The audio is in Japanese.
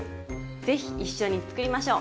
是非一緒に作りましょう！